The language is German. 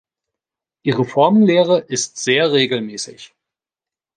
Ihre Formenlehre ist sehr regelmäßig.